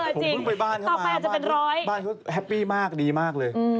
ผมเพิ่งไปบ้านเข้ามาบ้านเขาแฮปปี้มากดีมากเลย